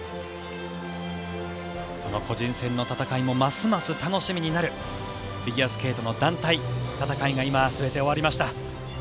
その個人戦の戦いもますます楽しみになるフィギュアスケートの団体戦いが今、全て終わりました。